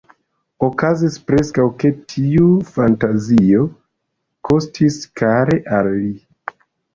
Okazis preskaŭ, ke tiu fantazio kostis kare al li.